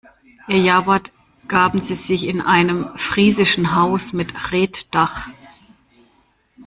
Ihr Jawort gaben sie sich in einem friesischen Haus mit Reetdach.